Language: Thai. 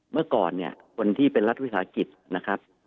เมื่อก่อนเนี่ยคนที่เป็นรัฐวิสาหกิจนะครับ